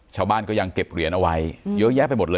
ชาวบ้านก็ยังเก็บเหรียญเอาไว้เยอะแยะไปหมดเลย